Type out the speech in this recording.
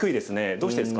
どうしてですか？